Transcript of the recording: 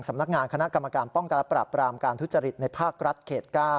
สำนักงานคณะกรรมการป้องกันและปรับปรามการทุจริตในภาครัฐเขต๙